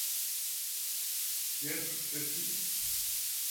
Kiel sukcesi?